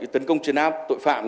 tấn công chấn áp tội phạm